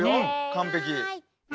完璧。